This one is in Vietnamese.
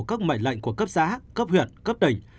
các mệnh lệnh của cấp xã cấp huyện cấp tỉnh